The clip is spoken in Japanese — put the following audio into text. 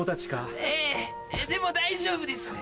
ええでも大丈夫です。